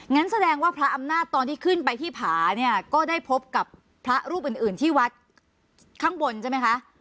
งั้นแสดงว่าพระอำนาจตอนที่ขึ้นไปที่ผาเนี่ยก็ได้พบกับพระรูปอื่นอื่นที่วัดข้างบนใช่ไหมคะ